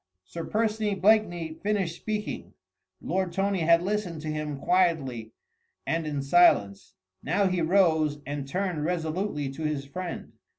Sir Percy Blakeney finished speaking. Lord Tony had listened to him quietly and in silence: now he rose and turned resolutely to his friend.